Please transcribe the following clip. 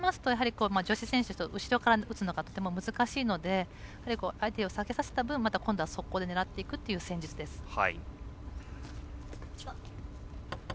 女子選手、後ろから打つのがとても難しいので相手を下げさせた分、今度は速攻で狙っていくという戦術です。